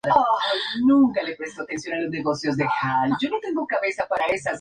Si se rescinde por el asegurado, la prima la hace suya el asegurador.